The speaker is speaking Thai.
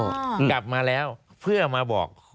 กลับมาแล้วเพื่อมาบอก